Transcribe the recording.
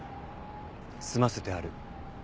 済ませてある。